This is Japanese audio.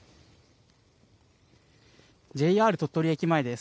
ＪＲ鳥取駅前です。